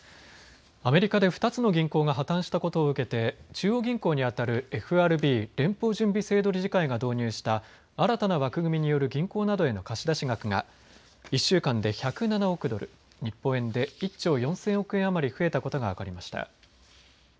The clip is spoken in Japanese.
アメリカで２つの銀行が破綻したことを受けて中央銀行にあたるＦＲＢ・連邦準備制度理事会が導入した新たな枠組みによる銀行などへの貸出額が１週間で１０７億ドル、日本円で１兆４０００億円余り増えたことが分かりました。